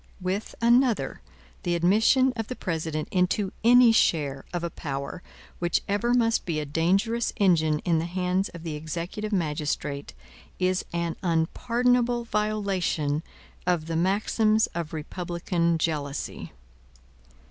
With another, the admission of the President into any share of a power which ever must be a dangerous engine in the hands of the executive magistrate, is an unpardonable violation of the maxims of republican jealousy.